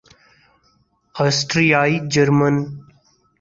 آسٹریائی German